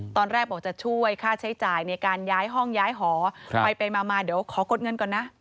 ตอนแรกบอกจะช่วยค่าใช้จ่ายในการย้ายห้องย้ายหอไปมาเดี๋ยวขอกดเงินก่อนนะ